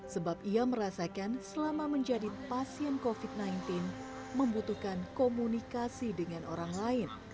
sebab ia merasakan selama menjadi pasien covid sembilan belas membutuhkan komunikasi dengan orang lain